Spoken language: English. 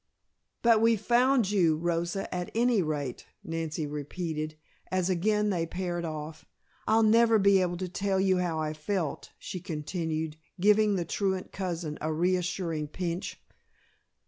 "But we found you, Rosa, at any rate," Nancy repeated, as again they paired off. "I'll never be able to tell you how I felt," she continued, giving the truant cousin a reassuring pinch.